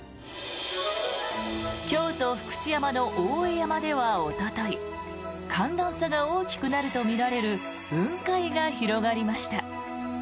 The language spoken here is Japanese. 京都・福知山の大江山ではおととい寒暖差が大きくなると見られる雲海が広がりました。